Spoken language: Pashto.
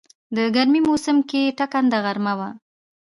د ګرمی موسم کې ټکنده غرمه وه.